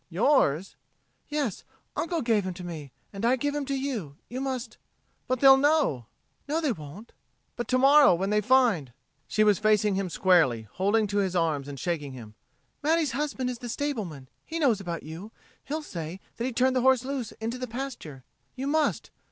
"Yours?" "Yes. Uncle gave him to me, and I give him to you. You must...." "But they'll know...." "No, they won't...." "But tomorrow when they find...." She was facing him squarely, holding to his arms and shaking him. "Matty's husband is the stableman. He knows about you. He'll say that he turned the horse into the pasture. You must....